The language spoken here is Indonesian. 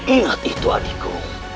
ingat itu adikku